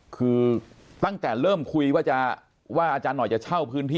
คือตั้งแต่เริ่มคุยว่าจะว่าอาจารย์หน่อยจะเช่าพื้นที่